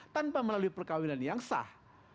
tanpa melalui perkawinan yang sah